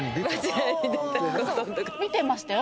見てましたよ